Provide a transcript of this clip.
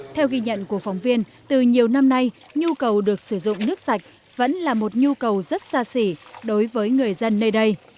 theo ghi nhận của phóng viên từ nhiều năm nay nhu cầu được sử dụng nước sạch vẫn là một nhu cầu rất xa xỉ đối với người dân nơi đây